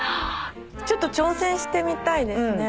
ちょっと挑戦してみたいですね。